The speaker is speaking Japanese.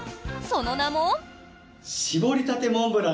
その名も。